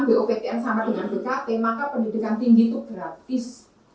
boptn sama dengan bkt maka pendidikan tinggi itu gratis